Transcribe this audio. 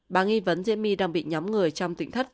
bà nghi vấn diễm my đang bị nhóm người trong tỉnh thất